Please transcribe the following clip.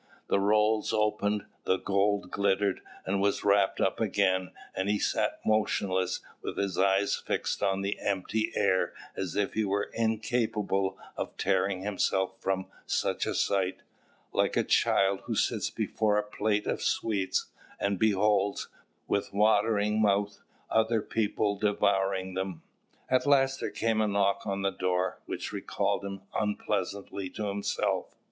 The rolls opened, the gold glittered, and was wrapped up again; and he sat motionless, with his eyes fixed on the empty air, as if he were incapable of tearing himself from such a sight, like a child who sits before a plate of sweets, and beholds, with watering mouth, other people devouring them. At last there came a knock on the door, which recalled him unpleasantly to himself.